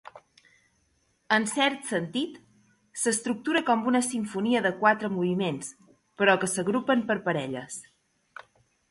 En cert sentit, s'estructura com una simfonia de quatre moviments, però que s'agrupen per parelles.